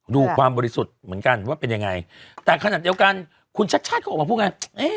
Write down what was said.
ดูความบริสุทธิ์เหมือนกันว่าเป็นยังไงแต่ขนาดเดียวกันคุณชัดชาติก็ออกมาพูดไง